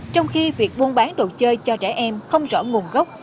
trong khi việc buôn bán đồ chơi cho trẻ em không rõ nguồn gốc